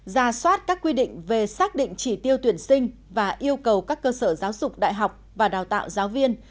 ra soát các quy định về xác định chỉ tiêu tuyển sinh và yêu cầu các cơ sở giáo dục đại học và đào tạo giáo viên